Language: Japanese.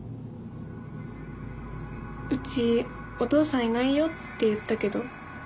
うちお父さんいないよって言ったけど。